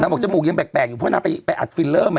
นางก็บอกจมูกดึงเหมือนแบก